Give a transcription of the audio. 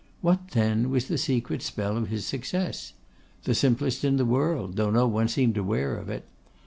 What, then, was the secret spell of his success? The simplest in the world, though no one seemed aware of it.